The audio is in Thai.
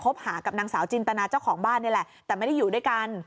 หากับนางสาวจินตนาเจ้าของบ้านนี่แหละแต่ไม่ได้อยู่ด้วยกัน